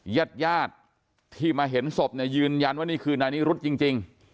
ญาติญาติที่มาเห็นศพเนี่ยยืนยันว่านี่คือนายนิรุธจริง